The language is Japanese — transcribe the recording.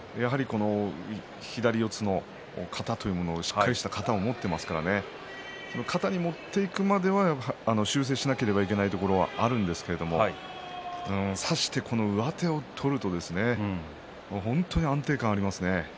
左四つの型というものをしっかりした型を持っていますから型に持っていくまでは修正しなければいけないところはあるんですけれど差して上手を取ると本当に安定感がありますね。